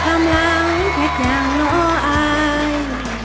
กำลังคิดอย่างน้อยอาย